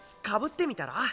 かぶってみたら？